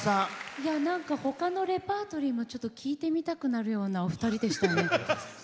ほかのレパートリーもちょっと聴いてみたくなるようなお二人でしたね。